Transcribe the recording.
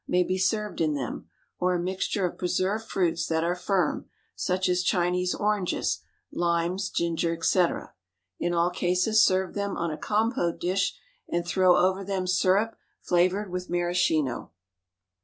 may be served in them, or a mixture of preserved fruits that are firm, such as Chinese oranges, limes, ginger, etc. In all cases serve them on a compote dish, and throw over them syrup flavored with maraschino.